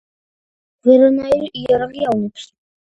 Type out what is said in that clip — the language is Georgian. ვერანაირი იარაღი ავნებს.